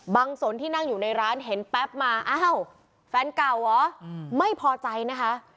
สนที่นั่งอยู่ในร้านเห็นแป๊บมาอ้าวแฟนเก่าเหรอไม่พอใจนะคะ